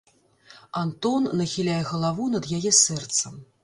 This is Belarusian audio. Антон нахіляе галаву над яе сэрцам.